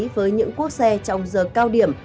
với những cuốc xe trong giờ cao điểm